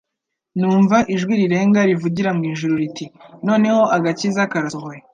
«Numva ijwi rirenga rivugira mu ijuru riti : Noneho agakiza karasohoye,